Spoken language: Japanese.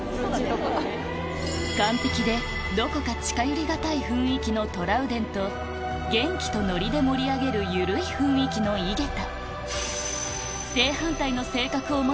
完璧でどこか近寄り難い雰囲気のトラウデンと元気とノリで盛り上げる緩い雰囲気の井桁